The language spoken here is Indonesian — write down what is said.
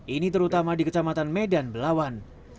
ini terutama di kecamatan medan belawan